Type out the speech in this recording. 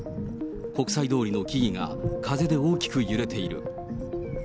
国際通りの木々が風で大きく揺れている。